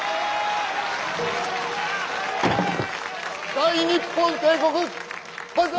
大日本帝国万歳！